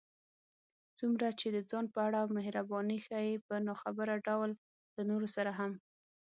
څومره چې د ځان په اړه محرباني ښيې، په ناخبره ډول له نورو سره هم